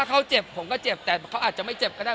เขาเจ็บผมก็เจ็บแต่เขาอาจจะไม่เจ็บก็ได้